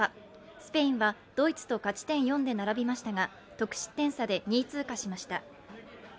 スペインはドイツと勝ち点４で並びましたが得失点差で２位通過しました。